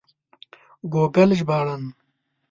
ګوګل ژباړن